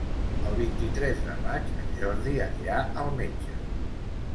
El vint-i-tres de maig en Jordi anirà al metge.